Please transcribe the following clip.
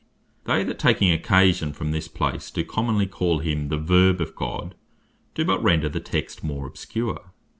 They that taking occasion from this place, doe commonly call him the Verbe of God, do but render the text more obscure.